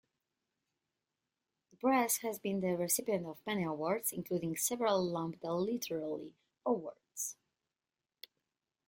The press has been the recipient of many awards, including several Lambda Literary Awards.